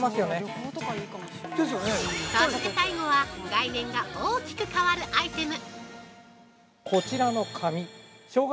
◆そして最後は概念が大きく変わるアイテム。